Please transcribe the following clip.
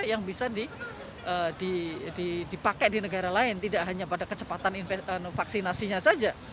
yang bisa dipakai di negara lain tidak hanya pada kecepatan vaksinasinya saja